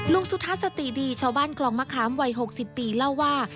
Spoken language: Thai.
สุทัศสติดีชาวบ้านคลองมะขามวัย๖๐ปีเล่าว่า